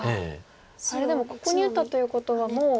あれでもここに打ったということはもう。